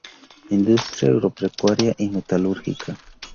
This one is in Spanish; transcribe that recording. Industria agropecuaria y metalúrgica.